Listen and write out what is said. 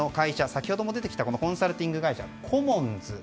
先ほども出てきたコンサルティング会社のコモンズ